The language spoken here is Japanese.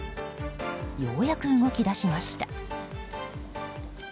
ようやく動き出しました。